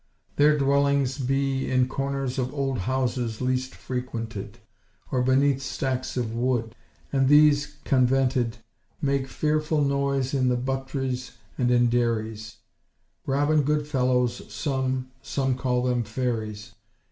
Their dwellings bee In corners of old houses least frequented, Or beneath stacks of wood: and these convented, Make fearfull noise in buttries and in dairies; Robin Goodfellowes some, some call them fairies.